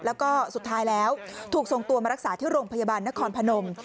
แล้วก็สุดท้ายแล้วถูกส่งตัวมารักษาที่โรงพยาบาลนครพนม